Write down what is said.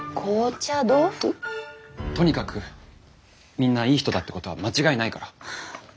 とにかくみんないい人だってことは間違いないから。